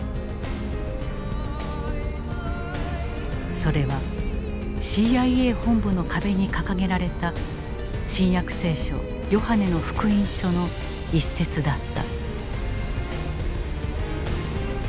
それはＣＩＡ本部の壁に掲げられた「新約聖書ヨハネの福音書」の一節だった。